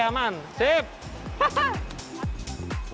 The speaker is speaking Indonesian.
saya takut kejepit tangan lumayan